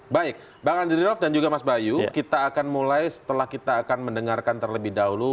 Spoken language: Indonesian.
baik bang andrinov dan juga mas bayu kita akan mulai setelah kita akan mendengarkan terlebih dahulu